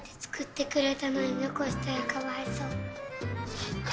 そっか。